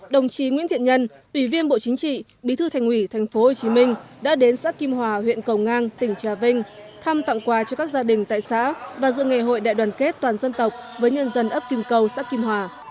đồng chí nguyễn thiện nhân ủy viên bộ chính trị bí thư thành ủy tp hcm đã đến xã kim hòa huyện cầu ngang tỉnh trà vinh thăm tặng quà cho các gia đình tại xã và dự nghề hội đại đoàn kết toàn dân tộc với nhân dân ấp kim cầu xã kim hòa